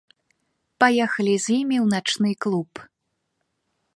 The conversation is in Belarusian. Паехалі з імі ў начны клуб.